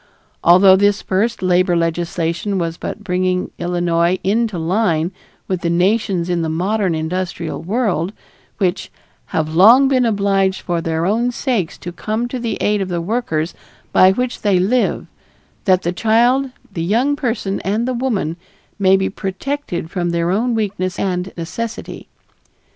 Although this first labor legislation was but bringing Illinois into line with the nations in the modern industrial world, which "have long been obliged for their own sakes to come to the aid of the workers by which they live that the child, the young person and the woman may be protected from their own weakness and necessity?"